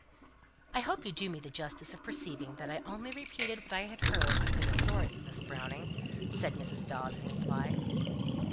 "I hope you do me the justice to perceive that I only repeated what I had heard on good authority, Miss Browning," said Mrs. Dawes in reply.